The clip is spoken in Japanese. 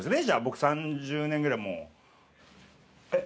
僕３０年ぐらいもう。